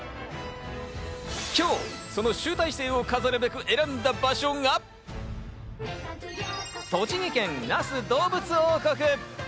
今日その集大成を飾るべく選んだ場所が、栃木県那須どうぶつ王国。